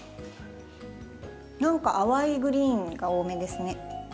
何か淡いグリーンが多めですね。